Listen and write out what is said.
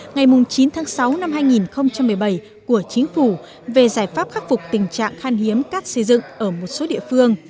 ngày chín tháng sáu năm hai nghìn một mươi bảy của chính phủ về giải pháp khắc phục tình trạng khan hiếm cát xây dựng ở một số địa phương